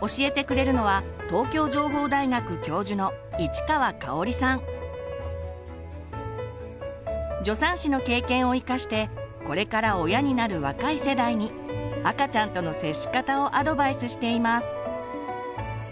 教えてくれるのは助産師の経験を生かしてこれから親になる若い世代に赤ちゃんとの接し方をアドバイスしています。